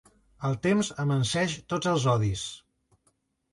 El temps amanseix tots els odis.